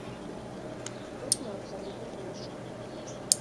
Тут мы абсалютна першыя.